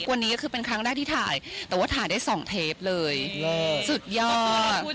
วันนี้ก็คือเป็นครั้งแรกที่ถ่ายแต่ว่าถ่ายได้๒เทปเลยสุดยอด